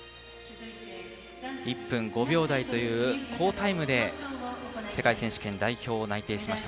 １分５秒台という好タイムで世界選手権代表内定しました